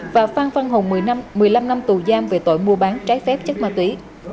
và phan văn hùng một mươi năm năm tù giam về tội mua bán trái phép chất ma túy